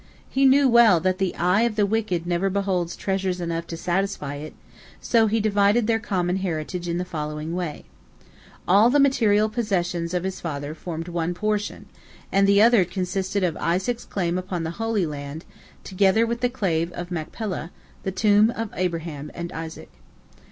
He knew well that "the eye of the wicked never beholds treasures enough to satisfy it," so he divided their common heritage in the following way: all the material possessions of his father formed one portion, and the other consisted of Isaac's claim upon the Holy Land, together with the Cave of Machpelah, the tomb of Abraham and Isaac.